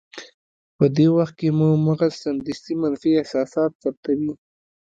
په دې وخت کې مو مغز سمدستي منفي احساسات ثبتوي.